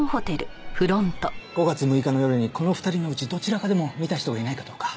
５月６日の夜にこの２人のうちどちらかでも見た人がいないかどうか。